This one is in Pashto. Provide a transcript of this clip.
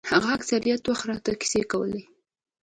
هغه اکثره وخت راته کيسې کولې.